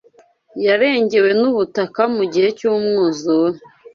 yarengewe n’ubutaka mu gihe cy’umwuzure